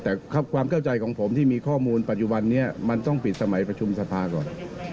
แต่ความเข้าใจของผมที่มีข้อมูลปัจจุบันนี้มันต้องปิดสมัยประชุมสภาก่อน